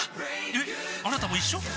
えっあなたも一緒？